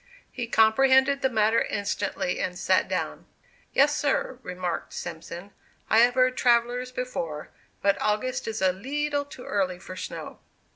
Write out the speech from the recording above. He comprehended the matter instantly and sat down. "Yes, sir," remarked Simpson, "I have heard travellers before, but August is a leetle too early for snow."